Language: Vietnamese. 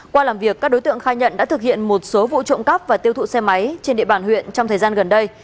qua làm việc các đối tượng khai nhận đã thực hiện một số vụ trộm cắp và tiêu thụ xe máy trên địa bàn huyện trong thời gian gần đây